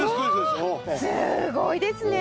すごいですね。